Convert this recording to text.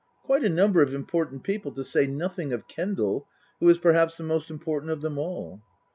Quite a number of important people, to say nothing of Kendal, who is perhaps the most important of them all."